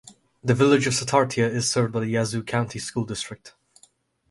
The Village of Satartia is served by the Yazoo County School District.